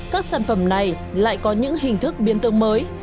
các sản phẩm này lại có những hình thức biến tương mới